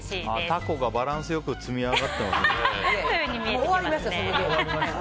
タコがバランスよく積み上がってますね。